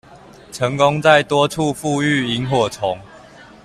成功在多處復育螢火蟲